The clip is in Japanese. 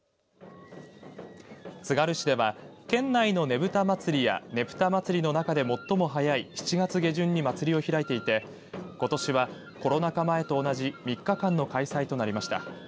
つがる市では県内のねぶた祭りやねぷた祭りの中で最も早い７月下旬に祭りを開いていてことしはコロナ禍前と同じ３日間の開催となりました。